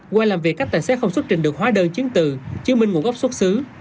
qua làm việc các tài xế không xuất trình được hóa đơn chứng từ chứng minh nguồn gốc xuất xứ